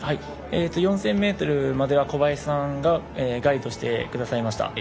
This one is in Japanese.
４０００ｍまでは小林さんがガイドしてくださいました。